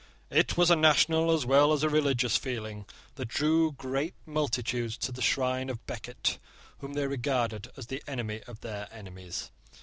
It was a national as well as a religious feeling that drew great multitudes to the shrine of Becket, whom they regarded as the enemy of their enemies.